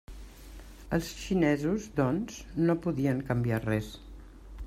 Els xinesos, doncs, no podien canviar res.